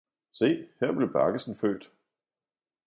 Se, her blev Baggesen født!